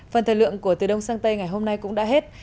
phần thời lượng của từ đông sang tây ngày hôm nay cũng đã hết